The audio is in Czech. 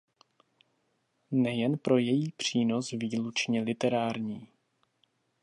Nejen pro její přínos výlučně literární.